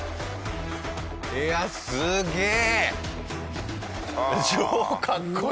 いやすげえ！